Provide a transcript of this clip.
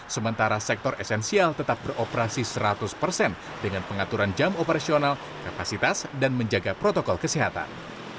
sementara sektor esensial tetap beroperasi seratus persen dengan pengaturan jam operasional kapasitas dan menjaga protokol kesehatan